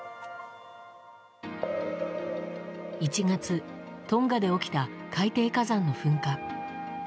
１月、トンガで起きた海底火山の噴火。